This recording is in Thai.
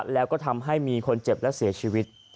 แล้วก็ทำให้มีคนเจ็บและเสียชีวิต